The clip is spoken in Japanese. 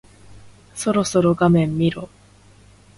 そろそろ画面見ろ。